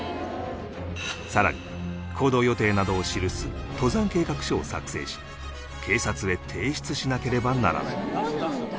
更に行動予定などを記す登山計画書を作成し警察へ提出しなければならない